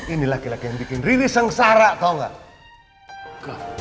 ini laki laki yang bikin rilis sengsara tau gak